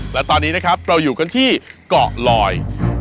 และตอนนี้นะครับเราอยู่กันที่เกาะลอย